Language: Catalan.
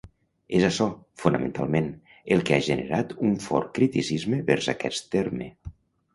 És açò, fonamentalment, el que ha generat un fort criticisme vers aquest terme.